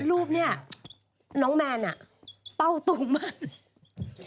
รูปนี้น้องแมนเป้าตุ่มมั่น